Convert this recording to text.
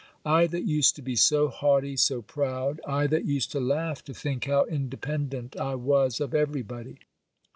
I that used to be so haughty, so proud—I that used to laugh to think how independent I was of everybody.